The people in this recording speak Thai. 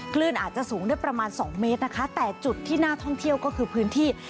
คลื่นอาจจะสูงได้ประมาณสองเมตรนะคะแต่จุดที่น่าท่องเที่ยวก็คือพื้นที่